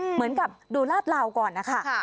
เหมือนกับดูลาดลาวก่อนนะคะ